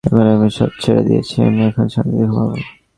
এখন আমি সব ছেড়ে দিয়েছি, আমি এখন শান্তিতে ঘুমাবো।